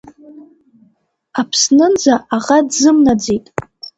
Аԥснынӡа аӷа дзымнаӡеит…